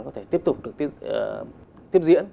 có thể tiếp tục được tiếp diễn